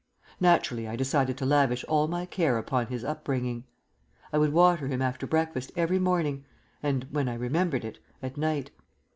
Naturally I decided to lavish all my care upon his upbringing. I would water him after breakfast every morning, and (when I remembered it) at night.